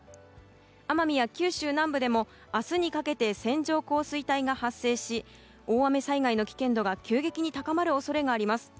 奄美や九州南部でも明日にかけて線状降水帯が発生し大雨災害の危険度が急激に高まる恐れがあります。